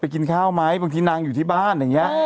กินข้าวไหมบางทีนางอยู่ที่บ้านอย่างนี้